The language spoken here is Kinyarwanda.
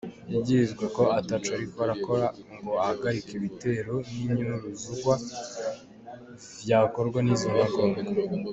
Yagirizwa ko ataco ariko arakora ngo ahagarike ibitero n'inyuruzwa vyakorwa n'izo ntagondwa.